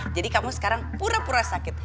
jadi kamu sekarang pura pura sakit